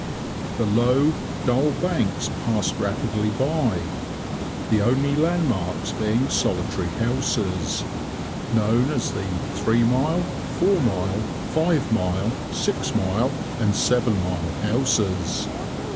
The low, dull banks passed rapidly by, the only land marks being solitary houses, known as the three mile, four mile, five mile, six mile, and seven mile houses.